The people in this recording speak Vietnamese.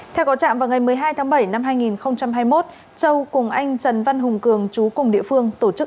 theo có trạm vào ngày một mươi hai tháng bảy năm hai nghìn hai mươi một châu cùng anh trần văn hùng cường chú cùng địa phương tổ chức